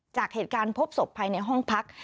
จากเหตุการณ์พบศพภายในห้องพัก